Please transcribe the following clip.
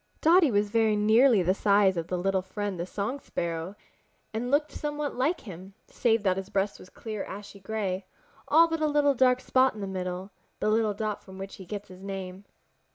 Dotty was very nearly the size of Little Friend the Song Sparrow and looked somewhat like him, save that his breast was clear ashy gray, all but a little dark spot in the middle, the little dot from which he gets his name.